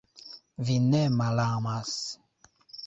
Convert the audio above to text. Vi ne malamas!